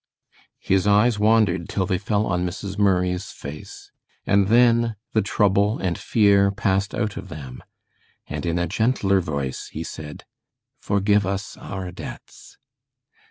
His eyes wandered till they fell on Mrs. Murray's face, and then the trouble and fear passed out of them, and in a gentler voice he said: "Forgive us our debts."